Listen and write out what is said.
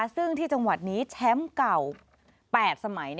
ซึ่งที่จังหวัดนี้แชมป์เก่า๘สมัย